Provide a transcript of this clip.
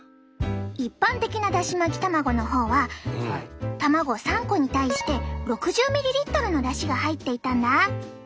一般的なだし巻き卵の方は卵３個に対して６０ｍｌのだしが入っていたんだ。